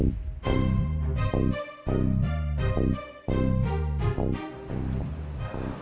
tulus dari dalam hati gue